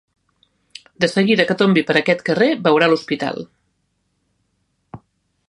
De seguida que tombi per aquest carrer veurà l'hospital.